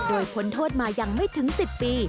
โดยพ้นโทษมายังไม่ถึง๑๐ปี